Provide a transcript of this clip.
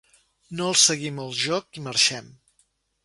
No els seguim el joc i marxem.